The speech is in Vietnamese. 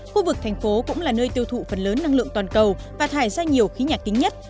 khu vực thành phố cũng là nơi tiêu thụ phần lớn năng lượng toàn cầu và thải ra nhiều khí nhà kính nhất